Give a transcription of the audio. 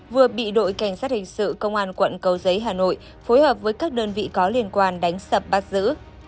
vừa bị đội cảnh sát hình sự công an quận cầu giấy hà nội phối hợp với các đơn vị có liên quan đánh sập bắt giữ